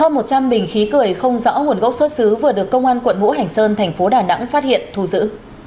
hơn một trăm linh bình khí cười không rõ nguồn gốc xuất xứ vừa được công an quận ngũ hành sơn thành phố đà nẵng phát hiện thu giữ